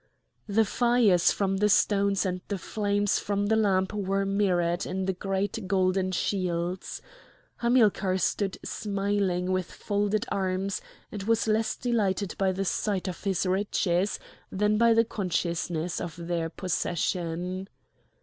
The fires from the stones and the flames from the lamp were mirrored in the great golden shields. Hamilcar stood smiling with folded arms, and was less delighted by the sight of his riches than by the consciousness of their possession.